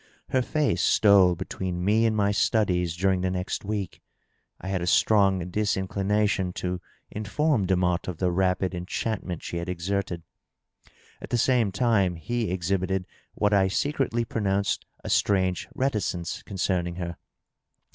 Her fisice stole between me and my studies during the next week. I had a strong disinclination to inform Demotte of the rapid enchantment she had exerted. At the same time he exhibited what I secretly pronounced a strange reticence concerning her.